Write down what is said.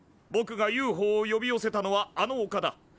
ぼくがＵＦＯを呼び寄せたのはあのおかだ。